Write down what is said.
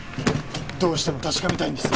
どうしても確かめたいんです。